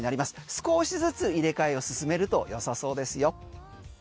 少しずつ入れ替えを進めるとよさそうですよ。